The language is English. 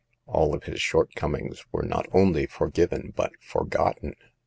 All of his shortcomings were not only forgiven but forgotten.